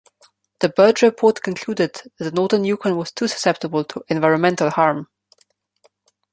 The Berger Report concluded that the northern Yukon was too susceptible to environmental harm.